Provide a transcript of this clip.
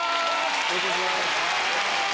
よろしくお願いします。